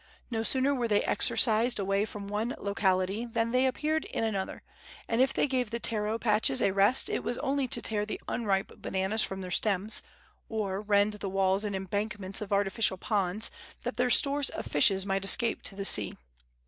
No sooner were they exorcised away from one locality than they appeared in another, and if they gave the taro patches a rest it was only to tear the unripe bananas from their stems, or rend the walls and embankments of artificial ponds, that their stores of fishes might escape to the sea.